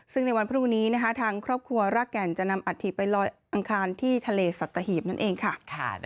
ซึ่งในวันพรุ่งนี้ทางครอบครัวรากแก่นจะนำอัฐิไปลอยอังคารที่ทะเลสัตหีบนั่นเองค่ะ